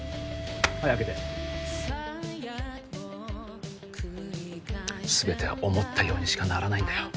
はい開けて全て思ったようにしかならないんだよ